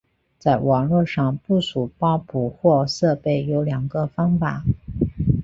在网络上部署包捕获设备有两个方法。